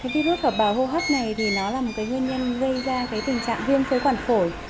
virus hợp bào hô hấp này là nguyên nhân gây ra tình trạng viêm phổi quản phổi